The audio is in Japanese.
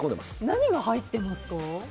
何が入ってますか？